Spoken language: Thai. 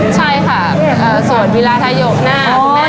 ใช่ค่ะสวดวิราธยกหน้าคุณแม่